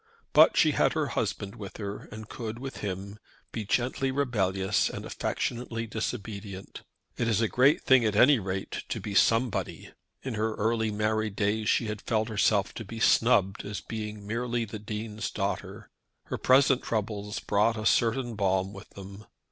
But she had her husband with her, and could, with him, be gently rebellious and affectionately disobedient. It is a great thing, at any rate, to be somebody. In her early married days she had felt herself to be snubbed as being merely the Dean's daughter. Her present troubles brought a certain balm with them.